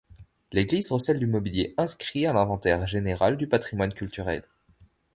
L'église recèle du mobilier inscrit à l'Inventaire général du patrimoine culturel.